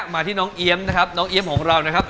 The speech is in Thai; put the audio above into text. มาที่น้องเอียมของเรานะครับ